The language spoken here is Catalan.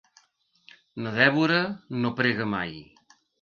Na Dèbora no prega mai.